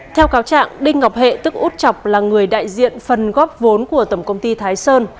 theo cáo trạng đinh ngọc hệ tức út chọc là người đại diện phần góp vốn của tổng công ty thái sơn